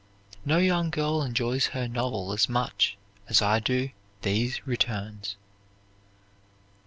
No young girl enjoys her novel as much as I do these returns."